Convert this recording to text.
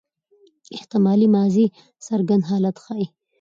احتمالي ماضي ناڅرګند حالت ښيي.